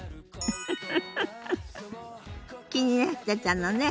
フフフフ気になってたのね。